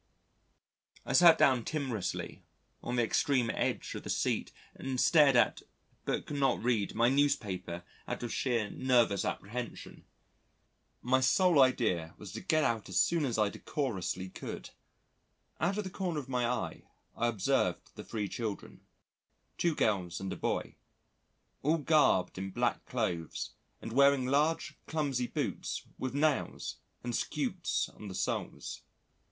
I sat down timorously on the extreme edge of the seat and stared at, but could not read, my newspaper out of sheer nervous apprehension. My sole idea was to get out as soon as I decorously could. Out of the corner of my eye, I observed the three children two girls and a boy all garbed in black clothes and wearing large clumsy boots with nails and scutes on the soles.